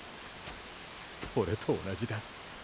俺と同じだ。